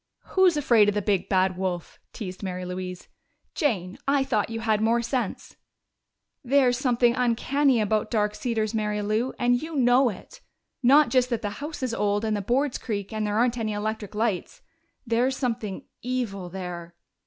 "'Who's afraid of the big, bad wolf?'" teased Mary Louise. "Jane, I thought you had more sense!" "There's something uncanny about Dark Cedars, Mary Lou, and you know it! Not just that the house is old, and the boards creak, and there aren't any electric lights. There's something evil there."